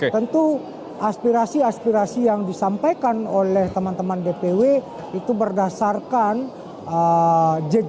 tentu aspirasi aspirasi yang disampaikan oleh teman teman dpw itu berdasarkan